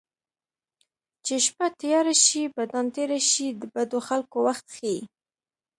چې شپه تیاره شي بدان تېره شي د بدو خلکو وخت ښيي